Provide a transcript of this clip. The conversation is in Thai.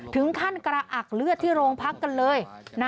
ถึงขั้นกระอักเลือดที่โรงพักกันเลย